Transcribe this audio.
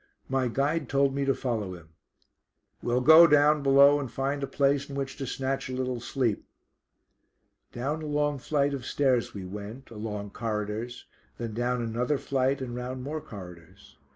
My guide told me to follow him. "We'll go down below and find a place in which to snatch a little sleep." Down a long flight of stairs we went, along corridors, then down another flight and round more corridors.